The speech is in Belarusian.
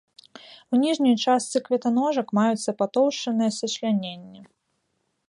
У ніжняй частцы кветаножак маюцца патоўшчаныя сучляненні.